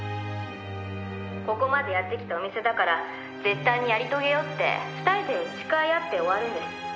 「ここまでやってきたお店だから絶対にやり遂げようって２人で誓い合って終わるんです」